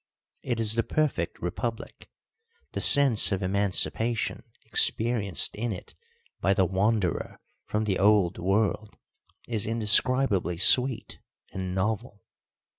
It is the perfect republic: the sense of emancipation experienced in it by the wanderer from the Old World is indescribably sweet and novel.